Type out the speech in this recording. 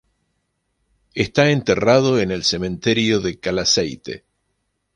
Está enterrado en el cementerio de Calaceite.